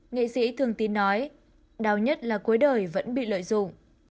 nghệ sĩ thường tín nói đau nhất là cuối đời vẫn bị lợi dụng